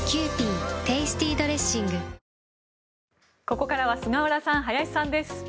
ここからは菅原さん、林さんです。